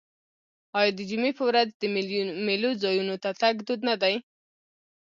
آیا د جمعې په ورځ د میلو ځایونو ته تګ دود نه دی؟